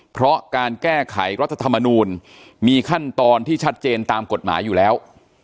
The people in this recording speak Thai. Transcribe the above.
เพราะการแก้ไขรัฐธรรมนูลมีขั้นตอนที่ชัดเจนตามกฎหมายอยู่แล้ว